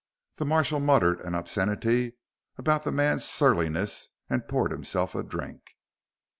The marshal muttered an obscenity about the man's surliness and poured himself a drink.